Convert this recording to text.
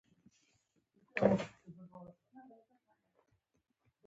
ما نه شو کولای سمدلاسه هغې ته ځواب پیدا کړم.